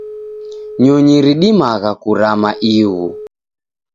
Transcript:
Nyonyi ridimagha kurama ighu.